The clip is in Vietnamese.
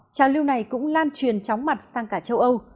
trào lưu này cũng lan truyền chóng mặt sang cả châu âu